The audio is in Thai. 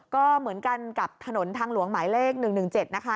ก็เหมือนกันกับถนนทางหลวงหมายเล็กหนึ่งหนึ่งเจ็ดนะคะ